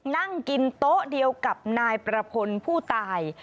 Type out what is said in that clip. นั่งกินโต๊ะเดียวกับนายประพลผู้ตาย